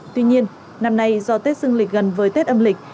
tuy nhiên năm nay do tết dương lịch gần với tết âm lịch